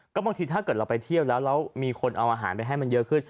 ก็บางทีถ้าเกิดเราไปเที่ยวแล้วแล้วมีคนเอาอาหารไปให้มันเยอะขึ้น